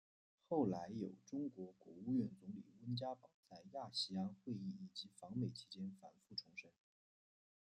后来有中国国务院总理温家宝在亚细安会议以及访美期间反复重申。